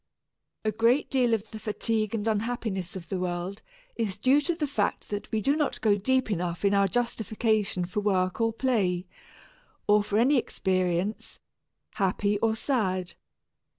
A great deal of the fatigue and unhappiness of the world is due to the fact that we do not go deep enough in our justification for work or play, or for any experience, happy or sad.